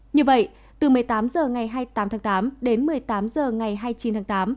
như vậy từ một mươi tám h ngày hai mươi tám tháng tám đến một mươi tám h ngày hai mươi chín tháng tám